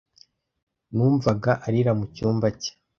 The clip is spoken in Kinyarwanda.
Numvaga arira mu cyumba cye.